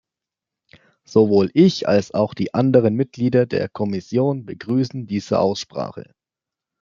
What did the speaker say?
Sowohl ich als auch die anderen Mitglieder der Kommission begrüßen diese Aussprache.